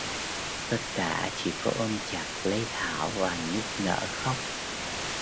tất cả chỉ có ôm chặt lấy thảo và nức nở khóc